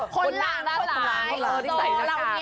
คนหล่างใจจากนี่